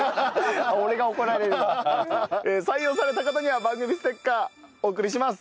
採用された方には番組ステッカーお送りします。